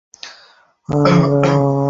যিনি আমাকে সবুজ ঘাসে মাথা নত করিয়েছেন।